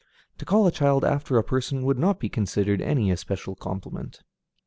To call a child after a person would not be considered any especial compliment.